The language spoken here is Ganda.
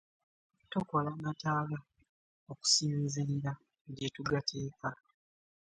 Tukola amataala okusinziira gye tugateeka.